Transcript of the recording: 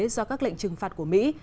do các lệnh trừng phạt của mỹ